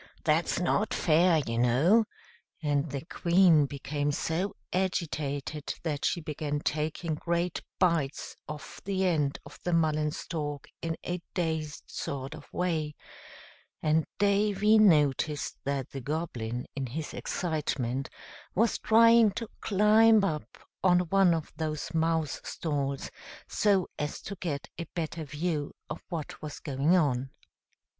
That's not fair, you know," and the Queen became so agitated that she began taking great bites off the end of the mullen stalk in a dazed sort of way; and Davy noticed that the Goblin, in his excitement, was trying to climb up on one of the mouse stalls, so as to get a better view of what was going on.